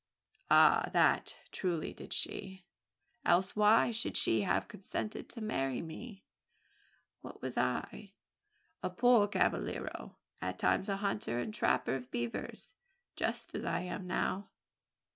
"Ah! that truly did she else why should she have consented to marry me? What was I? A poor cibolero at times a hunter and trapper of beavers, just as I am now?